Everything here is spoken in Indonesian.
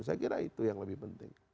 saya kira itu yang lebih penting